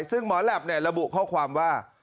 ซึ่งหมอแหลประบุข้อความว่า